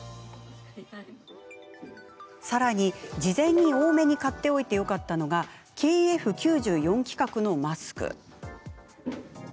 さらに、事前に多めに買っておいてよかったのがＫＦ９４規格のマスク。